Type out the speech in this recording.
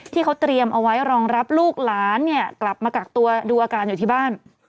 ที่เขาเตรียมเอาไว้รองรับลูกหลานเนี่ยกลับมากักตัวดูอาการอยู่ที่บ้าน